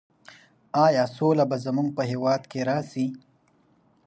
ایا سوله به زموږ په هېواد کې راسي؟